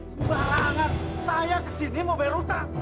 sebalangan saya kesini mau bayar hutang